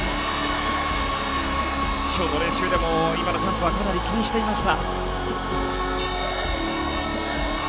今日の練習でも今のジャンプはかなり気にしていました。